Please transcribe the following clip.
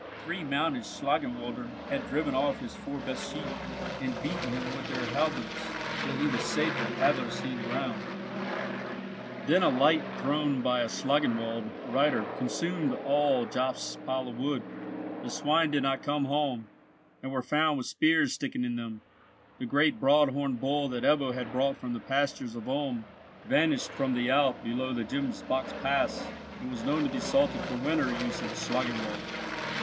Three mounted Schlangenwaldern had driven off his four best sheep, and beaten himself with their halberds, though he was safe on Adlerstein ground. Then a light thrown by a Schlangenwald reiter consumed all Jobst's pile of wood. The swine did not come home, and were found with spears sticking in them; the great broad horned bull that Ebbo had brought from the pastures of Ulm vanished from the Alp below the Gemsbock's Pass, and was known to be salted for winter use at Schlangenwald.